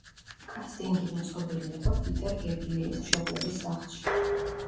კასტინგი მოწყობილი იყო პიტერ გებრიელის მშობლების სახლში.